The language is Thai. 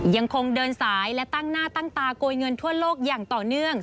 ยังคงเดินสายและตั้งหน้าตั้งตาโกยเงินทั่วโลกอย่างต่อเนื่อง